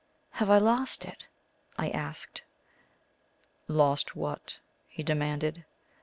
"Have I lost it?" I asked. "Lost what?" he demanded.